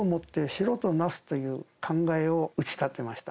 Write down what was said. という考えを打ち立てました。